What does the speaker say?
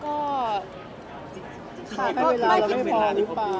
ก็ค่ะไม่มีเวลาหรือเปล่า